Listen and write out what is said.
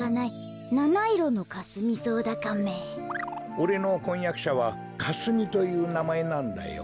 おれのこんやくしゃはかすみというなまえなんだよ。